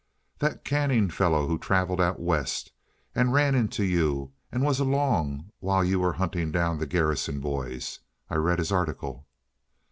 "That Canning fellow who travelled out West and ran into you and was along while you were hunting down the Garrison boys. I read his article."